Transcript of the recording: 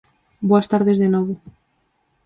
Boas tardes, de novo.